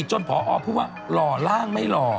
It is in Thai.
จนพอพูดว่าหล่อร่างไม่หล่อ